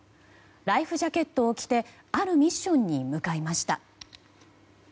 ライフジャケットを着てあるミッションに向かいました。